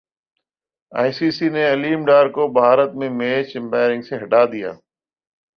ائی C C نے علیم ڈار کو بھارت میں میچ امپائرنگ سے ہٹا دیا